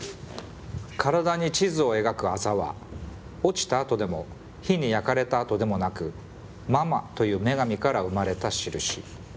「体に地図を描く朝は落ちたあとでも火に焼かれたあとでもなくママという女神から生まれたしるし」。